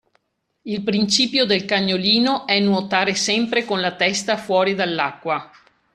Il principio del cagnolino è nuotare sempre con la testa fuori dall’acqua